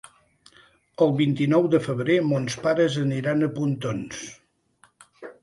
El vint-i-nou de febrer mons pares aniran a Pontons.